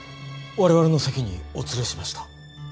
われわれの席にお連れしました。